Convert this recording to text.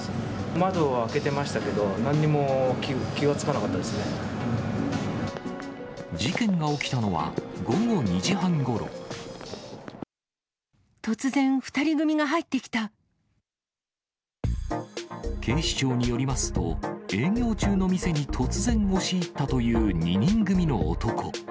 窓を開けてましたけど、事件が起きたのは、午後２時突然、警視庁によりますと、営業中の店に突然押し入ったという２人組の男。